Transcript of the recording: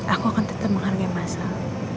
aku akan tetep menghargai mas al